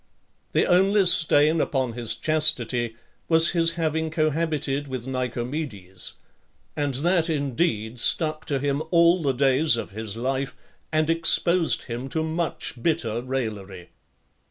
XLIX. The only stain upon his chastity was his having cohabited with Nicomedes; and that indeed stuck to him all the days of his life, and exposed him to much bitter raillery.